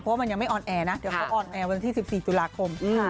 เพราะว่ามันยังไม่ออนแอร์นะเดี๋ยวเขาออนแอร์วันที่๑๔ตุลาคม